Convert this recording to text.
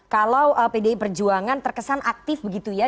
kalau pdi perjuangan terkesan aktif begitu ya